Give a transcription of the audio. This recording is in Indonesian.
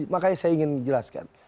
makanya saya ingin menjelaskan